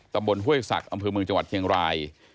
ห้วยศักดิ์อำเภอเมืองจังหวัดเชียงราย